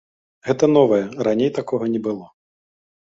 Гэта новае, раней такога не было.